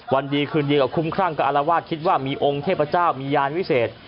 วันดีคืนเดียวคุ้มครั่งก็อารวาสคิดว่ามีองค์เทพเจ้ามียานวิเศษ